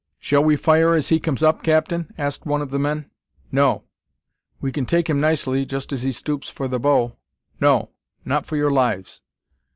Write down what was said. "Shall we fire as he comes up, captain?" asked one of the men. "No." "We kin take him nicely, just as he stoops for the bow." "No; not for your lives!"